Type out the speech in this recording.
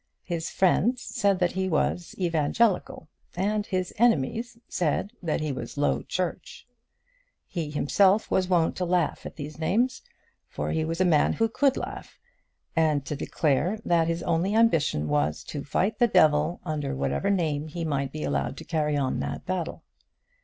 His friends said that he was evangelical, and his enemies said that he was Low Church. He himself was wont to laugh at these names for he was a man who could laugh and to declare that his only ambition was to fight the devil under whatever name he might be allowed to carry on that battle.